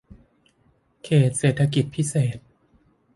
เขตเศรษฐกิจพิเศษ